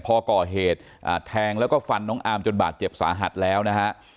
พอก่อเหตุแทงแล้วก็ฟันน้องอาร์มจนบาดเจ็บสาหัสแล้วนะฮะ